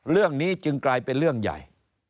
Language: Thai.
เรื่องนี้จึงกลายเป็นเรื่องใหญ่